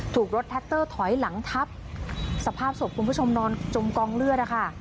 ถูกรถแท็กเตอร์ถอยหลังทับสภาพศพคุณผู้ชมนอนจมกองเลือดนะคะ